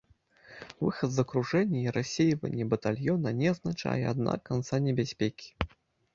Выхад з акружэння і рассейванне батальёна не азначае, аднак, канца небяспекі.